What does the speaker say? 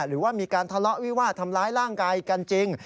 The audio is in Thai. หรือว่ามีการทะเลาะวิวาดทำร้ายร่างกายกันจริง